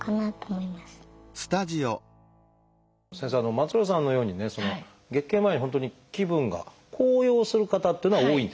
松浦さんのようにね月経前本当に気分が高揚する方っていうのは多いんですか？